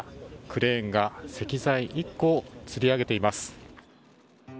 クレーンが石材１個をつり上げています。